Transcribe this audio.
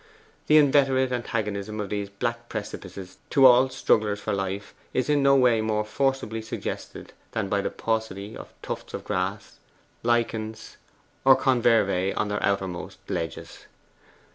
The inveterate antagonism of these black precipices to all strugglers for life is in no way more forcibly suggested than by the paucity of tufts of grass, lichens, or confervae on their outermost ledges.